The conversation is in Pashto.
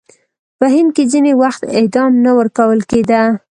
په هند کې ځینې وخت اعدام نه ورکول کېده.